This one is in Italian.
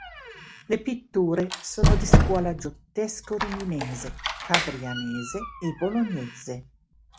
Le pitture sono di scuola giottesco-riminese, fabrianese e bolognese.